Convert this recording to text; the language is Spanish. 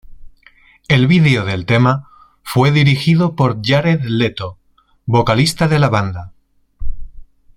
El video del tema fue dirigido por Jared Leto, vocalista dela banda.